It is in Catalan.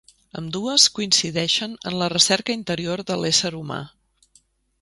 Ambdues coincideixen en la recerca interior de l'ésser humà.